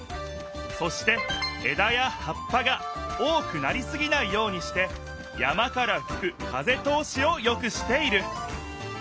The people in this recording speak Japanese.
そしてえだやはっぱが多くなりすぎないようにして山からふく風通しをよくしている。